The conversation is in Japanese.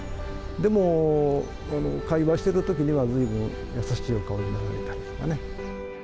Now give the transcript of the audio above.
でも、会話してるときには、ずいぶん優しいお顔になられたりとかね。